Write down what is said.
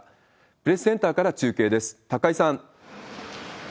プレスセンターから中継です。